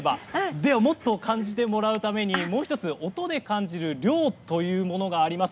でももっと感じてもらうためにもう１つ音で感じる涼というものがあります。